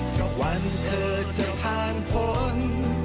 สักวันเธอจะผ่านพ้น